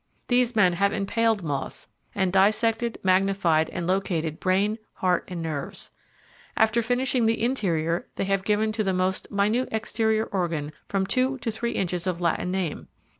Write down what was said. These men have impaled moths and dissected, magnified and located brain, heart and nerves. After finishing the interior they have given to the most minute exterior organ from two to three inches of Latin name.